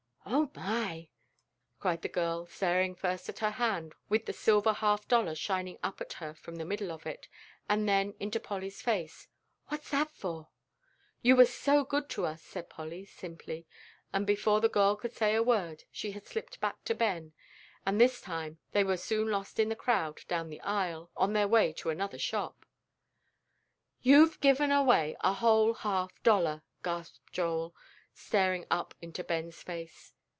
"Oh, my!" cried the girl, staring first at her hand with the silver half dollar shining up at her from the middle of it, and then into Polly's face, "what's that for?" "You were so good to us," said Polly, simply, and before the girl could say a word, she had slipped back to Ben, and this time they were soon lost in the crowd down the aisle, on their way to another shop. "You've given away a whole half dollar," gasped Joel, staring up into Ben's face.